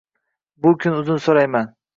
Bukun uzr so’rayman.